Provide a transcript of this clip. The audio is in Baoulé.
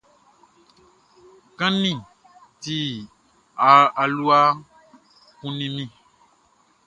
Kanʼni ti, alua kunnin mi.